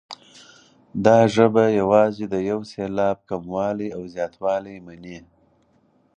دا ژبه یوازې د یو سېلاب کموالی او زیاتوالی مني.